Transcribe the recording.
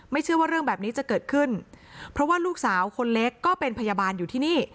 เชื่อว่าเรื่องแบบนี้จะเกิดขึ้นเพราะว่าลูกสาวคนเล็กก็เป็นพยาบาลอยู่ที่นี่